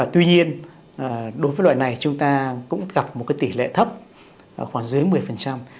tuy nhiên đối với loại này chúng ta cũng gặp một tỷ lệ thấp khoảng dưới một mươi